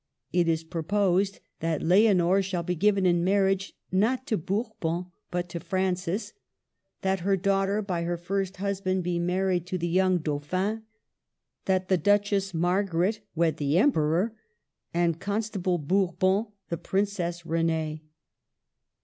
It is proposed that Leonor shall be given in mar riage, not to Bourbon, but to Francis ; that her daughter by her first husband be married to the young Dauphin; that the Duchess Margaret wed the Emperor, and Constable Bourbon the Princess Renee.